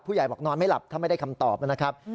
ผู้ใหญ่บอกนอนไม่หลับเขาไม่ได้คำตอบนะครับ